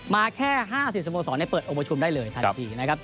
มาแค่๕๐สโมสรให้เปิดโอมชุมได้เลยทันทีนะครับ